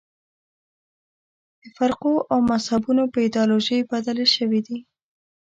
د فرقو او مذهبونو په ایدیالوژۍ بدلې شوې دي.